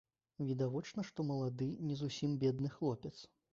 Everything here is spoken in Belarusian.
Відавочна, што малады не зусім бедны хлопец.